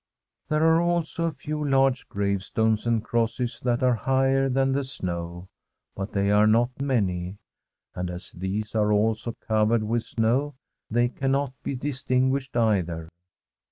There are also a few large gravestones and crosses that are higher than the snow, but they are not many ; and as these are also covered with snow, they cannot be distinguished either.